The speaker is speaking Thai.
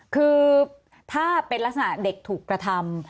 คือถ้าเป็นลักษณะเด็กถูกกระทำ